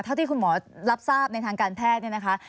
ที่คุณหมอรับทราบในทางการแพทย์เนี่ยนะคะ